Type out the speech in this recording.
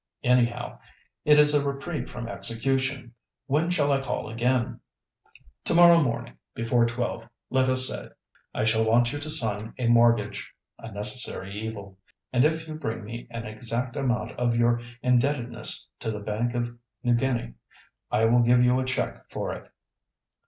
"Anyhow, it is a reprieve from execution. When shall I call again?" "To morrow morning, before twelve, let us say. I shall want you to sign a mortgage—a necessary evil; and if you bring me an exact amount of your indebtedness to the Bank of New Guinea, I will give you a cheque for it."